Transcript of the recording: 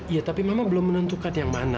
iya tapi memang belum menentukan yang mana